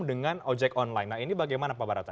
dengan ojek online nah ini bagaimana pak barata